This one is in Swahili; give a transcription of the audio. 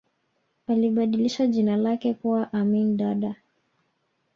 alibadilisha jina lake kuwa amin dada